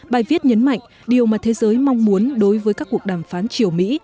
bài viết nhấn mạnh điều mà thế giới mong muốn đối với các cuộc đàm phán triều mỹ